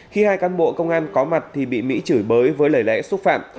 khi hai cán bộ công an có mặt thì bị mỹ chửi bới với lời lẽ xúc phạm